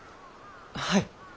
はい。